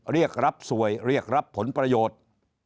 เรียกรับสวยเรียกรับผลประโยชน์